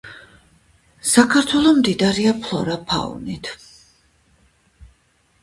საქართველო მდიდარია ფლორა -ფაუნით.